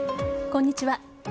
こんにちは。